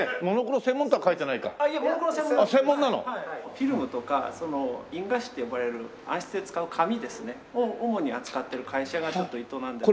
フィルムとかその印画紙って呼ばれる暗室で使う紙ですね。を主に扱ってる会社が営んでる。